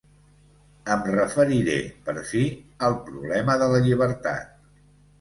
Em referiré, per fi, al problema de la llibertat.